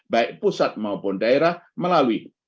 baik pusat maupun daerah melalui